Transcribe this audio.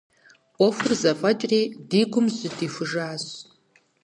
Ӏуэхур зэфӀэкӀри, ди гум жьы дихужащ.